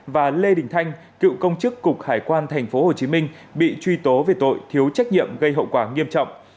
và lê đình thanh cựu công chức cục hải quan tp hcm bị truy tố về tội thiếu trách nhiệm gây hậu quả nghiêm trọng